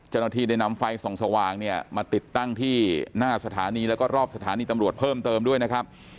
เจ้าหน้าที่ได้นำไฟส่องสว่างเนี่ยมาติดตั้งที่หน้าสถานีแล้วก็รอบสถานีตำรวจเพิ่มเติมด้วยนะครับ